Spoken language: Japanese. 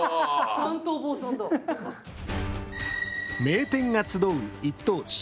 名店が集う一等地